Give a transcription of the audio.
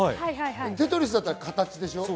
テトリスだったら形でしょ？